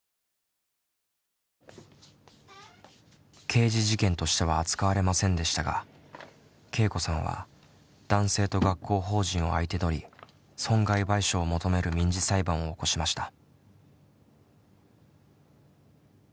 刑事事件としては扱われませんでしたがけいこさんは男性と学校法人を相手取り損害賠償を求める民事裁判を起こしました。